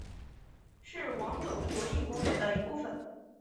是网走国定公园的一部分。